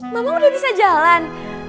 mama udah bisa jalan